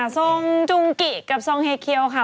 ทรงจุงกิกับทรงเฮเคียวค่ะ